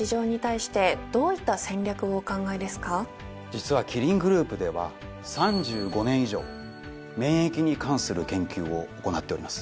実はキリングループでは３５年以上免疫に関する研究を行っております。